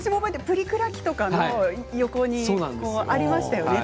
プリクラ機の横にありましたよね。